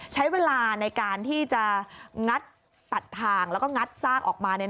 ใช้เวลาในการที่จะงัดตัดทางแล้วก็งัดซากออกมา